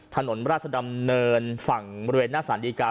ถนนราชดำเนินฝั่งบริเวณหน้าสารดีการ